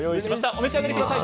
お召し上がり下さい。